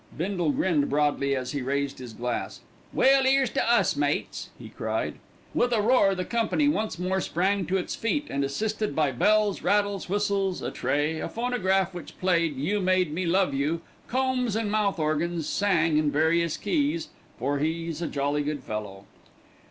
Bindle grinned broadly as he raised his glass. "Well, 'ere's to us, mates," he cried. With a roar the company once more sprang to its feet and, assisted by bells, rattles, whistles, a tray, a phonograph which played "You Made Me Love You," combs and mouth organs, sang in various keys, "For He's a Jolly Good Fellow."